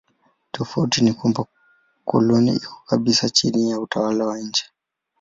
Tofauti ni kwamba koloni liko kabisa chini ya utawala wa nje.